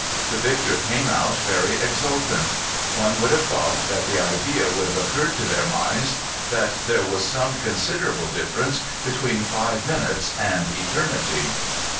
The victor came out very exultant. One would have thought that the idea would have occurred to their minds that there was some considerable difference between five minutes and eternity.